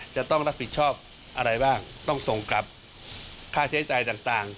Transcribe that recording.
จะต้องรับผิดชอบอะไรบ้างต้องส่งกลับค่าใช้จ่ายต่าง